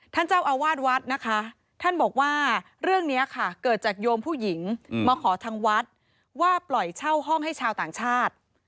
ท่านเจ้าอาวาสวัดนะคะท่านบอกว่าเรื่องนี้ค่ะเกิดจากโยมผู้หญิงมาขอทางวัดว่าปล่อยเช่าห้องให้ชาวต่างชาติ